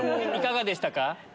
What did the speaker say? いかがでしたか？